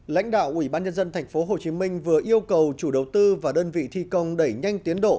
lãnh đạo ủy ban nhân dân tp hcm vừa yêu cầu chủ đầu tư và đơn vị thi công đẩy nhanh tiến độ